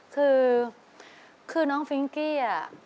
คือคือน้องฟิงกี้อ่ะ